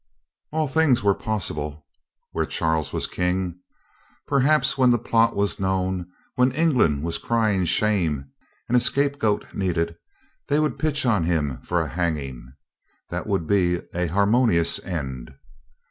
All things were possible where Charles was King. Perhaps when the plot was known, when England was cry ing shame and a scapegoat needed, they would pitch on him for a hanging. That would be a harmonious end.